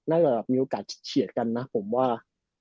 น่าจะมีโอกาสเฉียดกันนะผมว่า